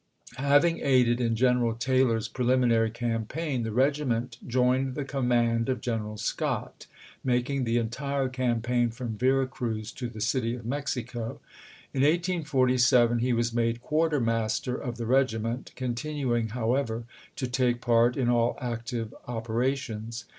Having aided in General Taylor's preliminary campaign, the regiment joined the command of General Scott, making the entire campaign from Vera Cruz to the city of Mexico. In 1847 he was made quarter master of the regiment, continuing, however, to take part in all active operations.